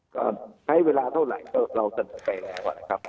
ก็ใช้เวลาเท่าไหร่ก็เราสนับไปแรกก่อนนะครับ